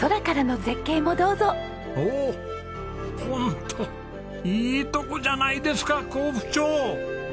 ホントいいとこじゃないですか江府町！